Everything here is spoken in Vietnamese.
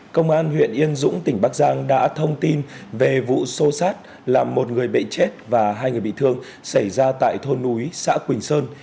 công an huyện yên dũng tỉnh bắc giang đã thông tin về vụ xô xát làm một người bệnh chết và hai người bị thương xảy ra tại thôn núi xã quỳnh sơn